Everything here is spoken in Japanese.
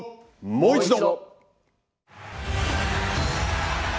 もう一度！